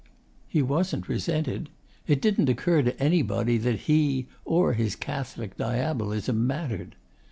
He wasn't resented. It didn't occur to anybody that he or his Catholic Diabolism mattered.